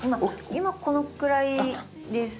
今このくらいです。